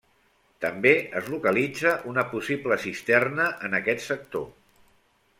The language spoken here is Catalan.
També es localitza una possible cisterna en aquest sector.